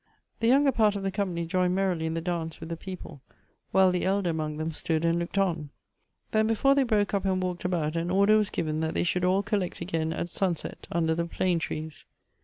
The younger part of the company joined merrily in the dance with the people, while the elder among them stood and looked on. Then, before they broke up and walked about, an order was given that they should all collect again at sunset under the plane trees.